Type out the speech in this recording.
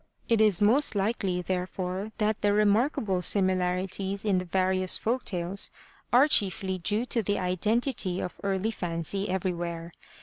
It is most likely therefore that the remarkable similarities in the various folk tales are chiefly due to the identity of early fancy everywhere.